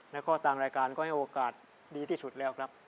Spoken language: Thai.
แล้วก็ทางรายการก็ให้โอกาสดีที่สุดแล้วครับ